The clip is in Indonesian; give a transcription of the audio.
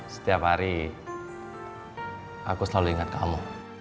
setiap hari aku selalu ingat kamu